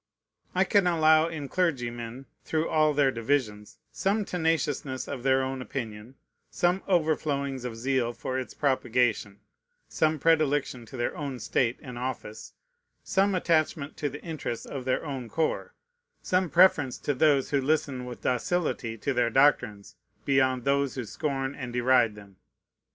I can allow in clergymen, through all their divisions, some tenaciousness of their own opinion, some overflowings of zeal for its propagation, some predilection to their own state and office, some attachment to the interest of their own corps, some preference to those who Us ten with docility to their doctrines beyond those who scorn and deride them.